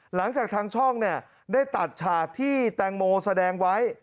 หลังจากทางช่องได้ตัดฉากที่แตงโมแสดงไว้